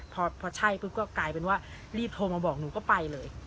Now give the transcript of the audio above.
พอใช่ปุ๊บก็กลายเป็นว่ารีบโทรมาบอกหนูก็ไปเลย